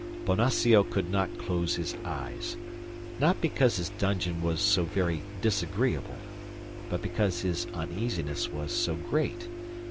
Bonacieux could not close his eyes; not because his dungeon was so very disagreeable, but because his uneasiness was so great.